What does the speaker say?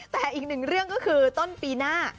แต่อีกหนึ่งเรื่องก็คือต้นปีหน้า